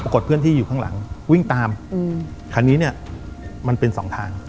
กดเพื่อนที่อยู่ข้างหลังวิ่งตามคันนี้เนี่ยมันเป็นสองทาง